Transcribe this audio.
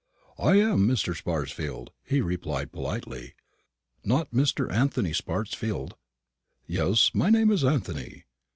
"I am Mr. Sparsfield," he replied politely. "Not Mr. Anthony Sparsfield?" "Yes, my name is Anthony."